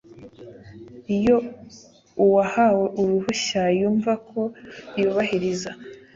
iyo uwahawe uruhushya yumva ko yubahiriza